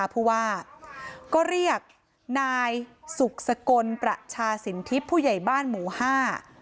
เพราะว่าก็เรียกนายสุขสกลประชาศิลป์ผู้ใหญ่บ้านหมู่ห้า